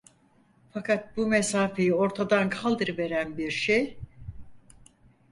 Fakat bu mesafeyi ortadan kaldırıveren bir şey…